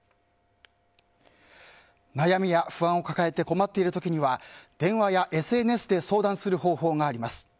悩みや不安を抱えて困っている時には電話やＳＮＳで相談する方法があります。